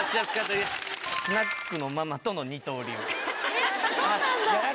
えっそうなんだ。